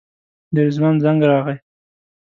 د رضوان زنګ راغی.